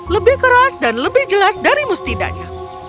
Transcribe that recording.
lebih keras dan lebih jelas dari mustidanya